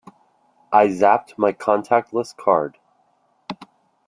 I zapped my contactless card.